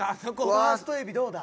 ファーストエビどうだ？